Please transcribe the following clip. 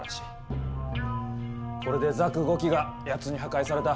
これでザク５機がやつに破壊された。